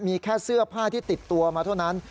มีแค่เสื้อผ้าที่ติดตัวมาเท่านั้น